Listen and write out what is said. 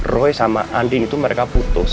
roy sama andin itu mereka putus